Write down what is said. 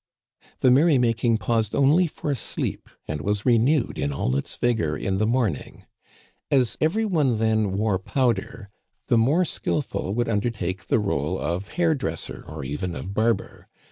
The merry making paused only for sleep, and was re newed in all its vigor in the morning. As every one then wore powder, the more skillful would undertake the rôle of hairdresser, or even of barber.